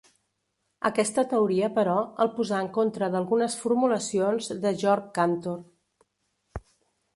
Aquesta teoria però, el posà en contra d'algunes formulacions de Georg Cantor.